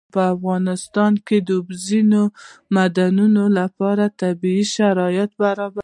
په افغانستان کې د اوبزین معدنونه لپاره طبیعي شرایط مناسب دي.